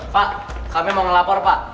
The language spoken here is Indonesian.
pak kami mau melapor pak